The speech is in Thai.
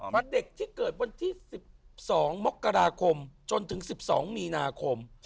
มาเด็กที่เกิดวันที่๑๒มกราคมจนถึง๑๒มีนาคม